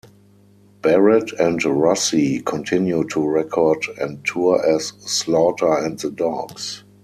Barrett and Rossi continue to record and tour as Slaughter and the Dogs.